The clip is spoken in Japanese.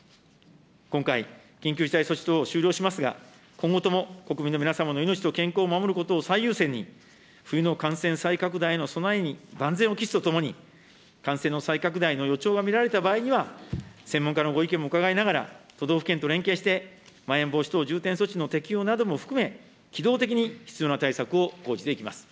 今回、緊急事態措置等を終了しますが、今後とも国民の皆様の命と健康を守ることを最優先に、冬の感染再拡大への備えに万全を期すとともに、感染の再拡大の予兆が見られた場合には、専門家のご意見も伺いながら、都道府県と連携して、まん延防止等重点措置の適用も含め、機動的に必要な対策を講じていきます。